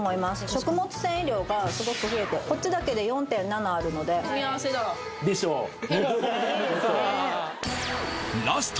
食物繊維量がすごく増えてこっちだけで４．７あるので組み合わせだラスト